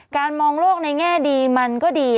มองโลกในแง่ดีมันก็ดี